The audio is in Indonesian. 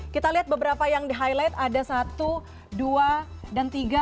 kita lihat beberapa yang di highlight ada satu dua dan tiga